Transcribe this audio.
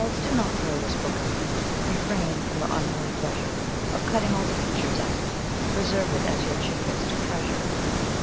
do not throw this book about; Refrain from the unholy pleasure Of cutting all the pictures out! Preserve it as your chiefest treasure.